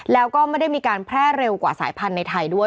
แล้วก็ไม่ได้มีการแพร่เร็วกว่าสายพันธุ์ในไทยด้วย